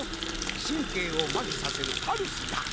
神経を麻痺させるパルスだ。